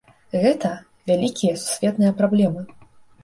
Гэта вялікія сусветныя праблемы.